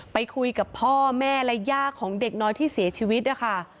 ไปคุยกับพ่อแม่และย่าของเด็กน้อยที่เสียชีวิตนะคะ